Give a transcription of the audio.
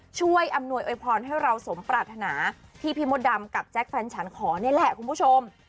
อำนวยอวยพรให้เราสมปรารถนาที่พี่มดดำกับแจ๊คแฟนฉันขอนี่แหละคุณผู้ชม